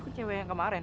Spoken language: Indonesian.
kok cewek yang kemaren